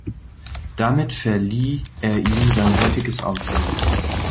Damit verlieh er ihm sein heutiges Aussehen.